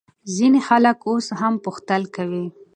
ځینې خلک اوس هم پوښتل کوي.